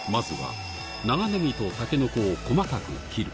まずは長ネギとタケノコを細かく切る。